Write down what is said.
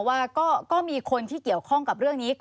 ว่าก็มีคนที่เกี่ยวข้องกับเรื่องนี้